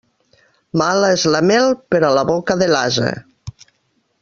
Mala és la mel per a la boca de l'ase.